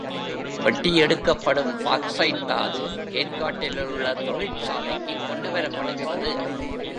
வெட்டி எடுக்கப்படும் பாக்சைட் தாது ஏர்க்காட்டிலுள்ள தொழிற்சாலைக்குக் கொண்டு வரப்படுகிறது.